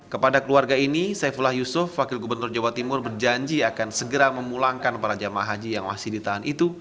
kepada keluarga ini saifullah yusuf wakil gubernur jawa timur berjanji akan segera memulangkan para jamaah haji yang masih ditahan itu